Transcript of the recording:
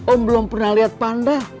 om belum pernah lihat panda